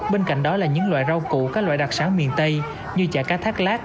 bên cạnh đó là những loại rau củ các loại đặc sản miền tây như chả cá thác lát